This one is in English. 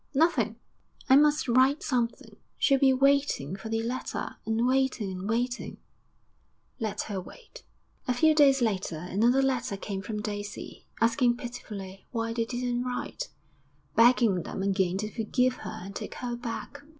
Nothing.' 'I must write something. She'll be waiting for the letter, and waiting and waiting.' 'Let her wait.' VI A few days later another letter came from Daisy, asking pitifully why they didn't write, begging them again to forgive her and take her back.